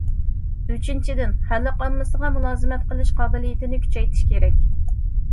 ئۈچىنچىدىن: خەلق ئاممىسىغا مۇلازىمەت قىلىش قابىلىيىتىنى كۈچەيتىش كېرەك.